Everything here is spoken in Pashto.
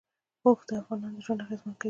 اوښ د افغانانو ژوند اغېزمن کوي.